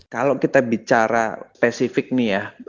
kalau kita bicara spesifik nih ya